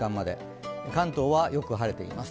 関東はよく晴れています。